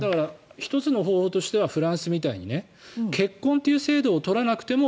１つの方法としてはフランスみたいに結婚という制度を取らなくても